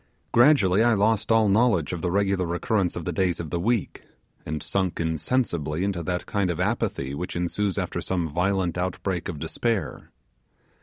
Gradually I lost all knowledge of the regular recurrence of the days of the week, and sunk insensibly into that kind of apathy which ensues after some violent outburst of despair.